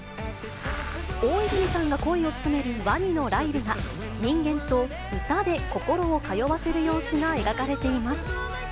大泉さんが声を務めるワニのライルが、人間と歌で心を通わせる様子が描かれています。